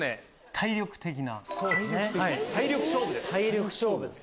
体力勝負です